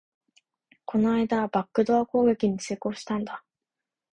この間、バックドア攻撃に成功したんだ